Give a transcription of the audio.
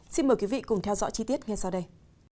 xin mời quý vị cùng theo dõi chi tiết ngay sau đây